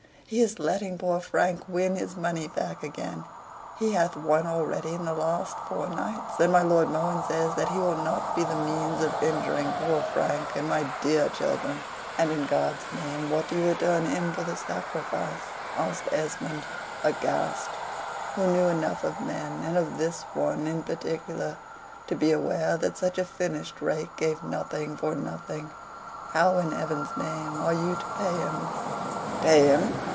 He is letting poor Frank win his money back again. He hath won already at the last four nights; and my Lord Mohun says that he will not be the means of injuring poor Frank and my dear children." "And in God's name, what do you return him for the sacrifice?" asked Esmond, aghast; who knew enough of men, and of this one in particular, to be aware that such a finished rake gave nothing for nothing. "How, in heaven's name, are you to pay him?" "Pay him!